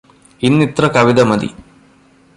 ഇന്നിത്ര കവിത മതി